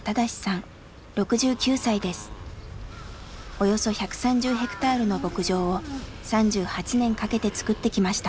およそ１３０ヘクタールの牧場を３８年かけてつくってきました。